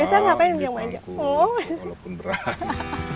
biasanya ngapain punya manja